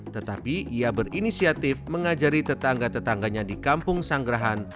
tetapi ia berinisiatif mengajari tetangga tetangganya di kampung sanggrahan